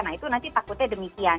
nah itu nanti takutnya demikian